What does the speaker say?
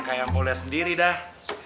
kayak boleh sendiri dah